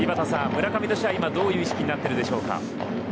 村上としてはどんな意識になっているでしょう。